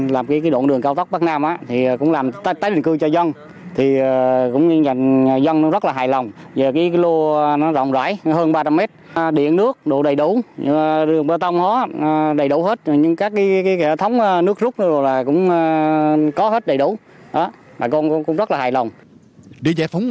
là hai trăm năm mươi tám triệu đồng